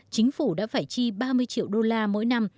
chính phủ đã phải chi ba mươi triệu đô la mỗi năm